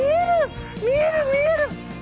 見える、見える。